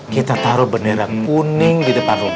kita taruh bendera kuning di depan rumah